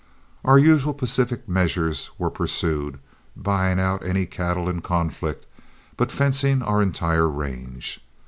Our usual pacific measures were pursued, buying out any cattle in conflict, but fencing our entire range.